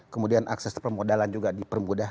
kemudian akses permodalan juga dipermudah